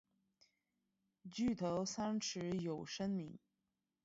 举头三尺有神明。